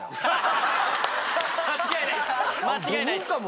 間違いないっす！